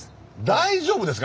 大丈夫ですか？